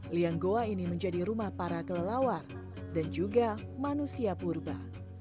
liang goa ini menjadi rumah para kelelawar dan juga manusia purba